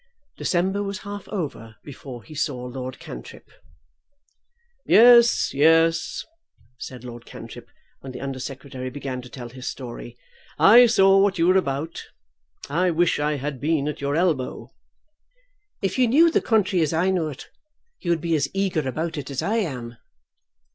December was half over before he saw Lord Cantrip. "Yes, yes;" said Lord Cantrip, when the Under Secretary began to tell his story; "I saw what you were about. I wish I had been at your elbow." "If you knew the country as I know it, you would be as eager about it as I am."